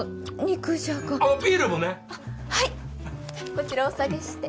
こちらお下げして。